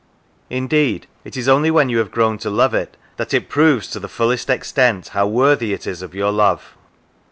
Indeed it is only when you have grown to love it that it proves to the fullest extent how worthy it is of your love.